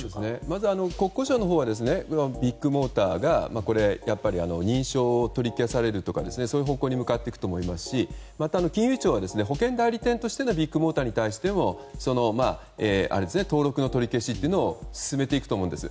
まず国交省のほうはビッグモーターが認証を取り消されるとかいう方向に向かっていくと思いますしまた金融庁は保険代理店としてのビッグモーターに対しても登録取り消しを進めていくと思うんです。